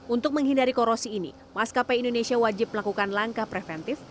untuk menghindari korosi ini maskapai indonesia wajib melakukan langkah preventif